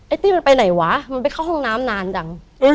ตี้มันไปไหนวะมันไปเข้าห้องน้ำนานจัง